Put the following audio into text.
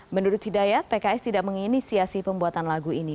menurut hidayat pks tidak menginisiasi pembuatan lagu ini